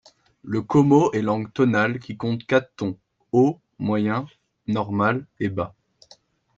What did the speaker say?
Le komo est langue tonale qui compte quatre tons, haut, moyen, normal et bas.